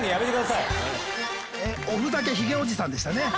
おふざけヒゲおじさんでしたね！